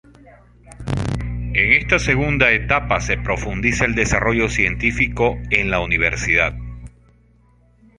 En esta segunda etapa se profundiza el desarrollo científico en la Universidad.